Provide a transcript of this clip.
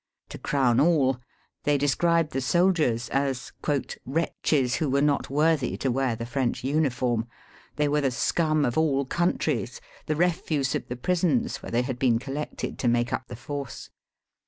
To crown all, they describe the soldiers as "wretches who were not worthy to wear the French uniform. They were the scum of all countries, the refuse of the prisons, where they had been collected to make up the force.